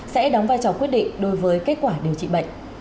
sẽ đóng vai trò quyết định đối với kết quả điều trị bệnh